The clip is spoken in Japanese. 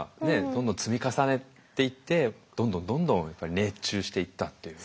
どんどん積み重ねていってどんどんどんどんやっぱり熱中していったっていう。